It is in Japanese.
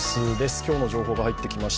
今日の情報が入ってきました。